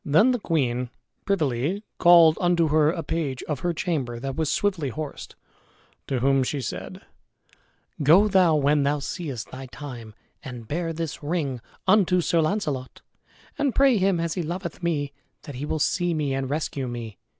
Then the queen privily called unto her a page of her chamber that was swiftly horsed, to whom she said, "Go thou when thou seest thy time, and bear this ring unto Sir Launcelot, and pray him as he loveth me, that he will see me and rescue me.